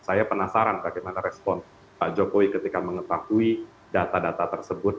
saya penasaran bagaimana respon pak jokowi ketika mengetahui data data tersebut